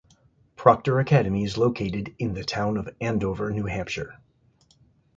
Proctor Academy is located on in the town of Andover, New Hampshire.